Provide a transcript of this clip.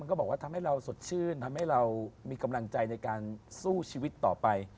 ก็บอกว่าทำให้เราสดชื่นทำให้เรามีกำลังใจในการสู้ชีวิตต่อไป